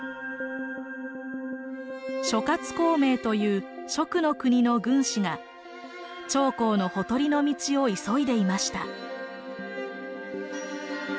諸孔明という蜀の国の軍師が長江のほとりの道を急いでいました。